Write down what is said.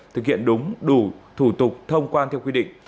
thực hiện đúng đủ thủ tục thông quan theo quy định